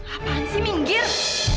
apaan sih minggir